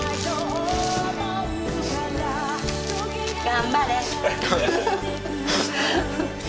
頑張れ。